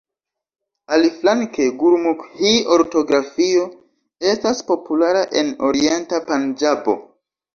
Aliflanke gurumukhi-ortografio estas populara en orienta Panĝabo.